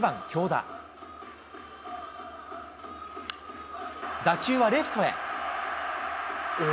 打球はレフトへ。